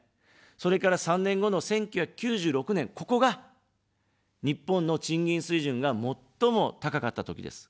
それから３年後の１９９６年、ここが、日本の賃金水準が最も高かったときです。